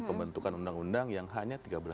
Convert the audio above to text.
pembentukan undang undang yang hanya tiga belas tahun